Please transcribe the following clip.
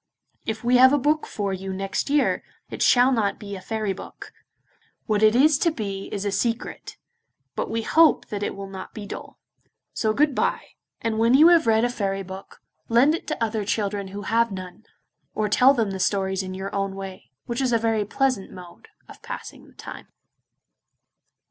If we have a book for you next year, it shall not be a fairy book. What it is to be is a secret, but we hope that it will not be dull. So good bye, and when you have read a fairy book, lend it to other children who have none, or tell them the stories in your own way, which is a very pleasant mode of passing the time.